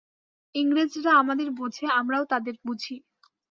ইংরেজরা আমাদের বোঝে, আমরাও তাদের বুঝি।